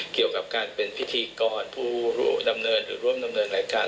เกี่ยวกับการเป็นพิธีกรผู้ดำเนินหรือร่วมดำเนินรายการ